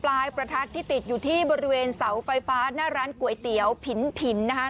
ปลายประทัดที่ติดอยู่ที่บริเวณเสาไฟฟ้าหน้าร้านก๋วยเตี๋ยวผินนะคะ